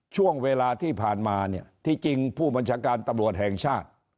ช่วงเวลาที่ผ่านมาเนี่ยที่จริงผู้บัญชาการตำรวจแห่งชาติ